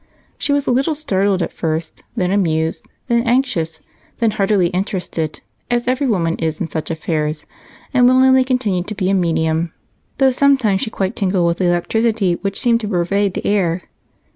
She was a little startled at first, then amused, then anxious, then heartily interested, as every woman is in such affairs, and willingly continued to be a medium, though sometimes she quite tingled with the electricity which seemed to pervade the air.